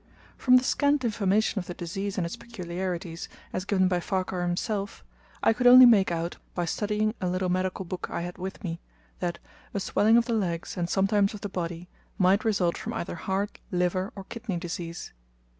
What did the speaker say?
From the scant information of the disease and its peculiarities, as given by Farquhar himself, I could only make out, by studying a little medical book I had with me, that "a swelling of the legs, and sometimes of the body, might result from either heart, liver, or kidney disease."